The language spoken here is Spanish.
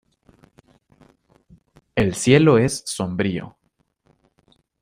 El cielo es sombrío.